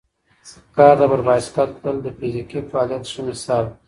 کارته پر بایسکل تلل د فزیکي فعالیت ښه مثال دی.